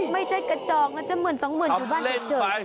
ไม่ใช่กระจอกมันจะเหมือนสองเหมือนอยู่บ้านเดียวเจ๋อ